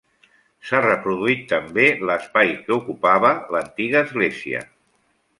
S'ha reproduït també l'espai que ocupava l'antiga església.